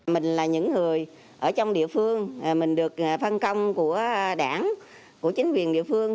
mình là những người ở trong địa phương mình được phân công của đảng của chính quyền địa phương